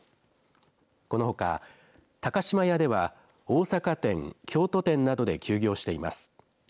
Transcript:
このほか高島屋では大阪店、京都店などで休業しています。